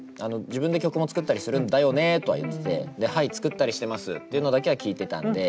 「自分で曲も作ったりするんだよね」とは言ってて「はい作ったりしてます」というのだけは聞いてたんで。